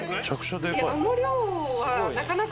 あの量はなかなか。